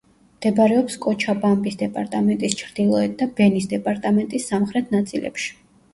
მდებარეობს კოჩაბამბის დეპარტამენტის ჩრდილოეთ და ბენის დეპარტამენტის სამხრეთ ნაწილებში.